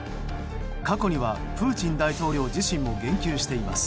過去にはプーチン大統領自身も言及しています。